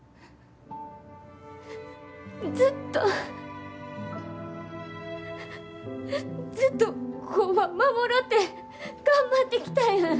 ずっとずっと工場守ろうって頑張ってきたやん。